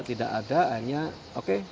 tidak ada akhirnya oke